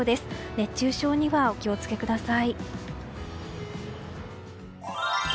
熱中症にはお気を付けください。